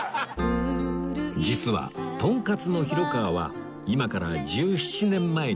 実はとんかつのひろかわは今から１７年前に閉店